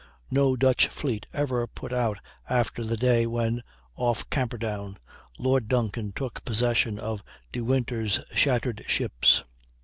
No Dutch fleet ever put out after the day when, off Camperdown, Lord Duncan took possession of De Winter's shattered ships.